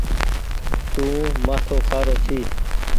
تو مآٿو کآرو ڇي۔